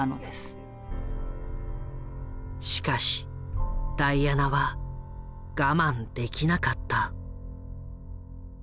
しかしダイアナは我慢できなかった。